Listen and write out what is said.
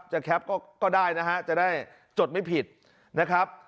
แคปก็ได้นะฮะจะได้จดไม่ผิดนะครับ